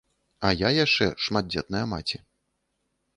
А я яшчэ шматдзетная маці.